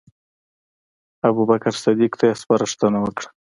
ابوبکر صدیق ته یې سپارښتنه وکړه.